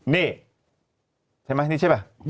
นี่ใช่ไหมนี่ใช่ป่ะ